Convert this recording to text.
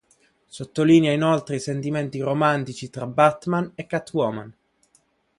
Sottolinea inoltre i sentimenti romantici tra Batman e Catwoman.